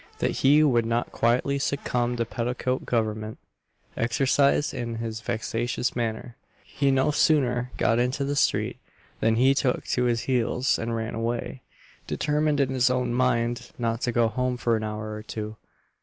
that he would not quietly succumb to petticoat government, exercised in this vexatious manner, he no sooner got into the street, than he took to his heels and ran away determined in his own mind not to go home for an hour or two.